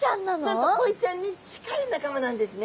なんとコイちゃんに近い仲間なんですね。